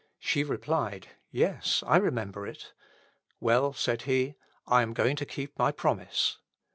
She replied, "Yes, I remember it." "Well," said he, "I am going to keep my promise."